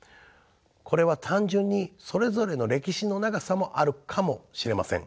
これは単純にそれぞれの歴史の長さもあるかもしれません。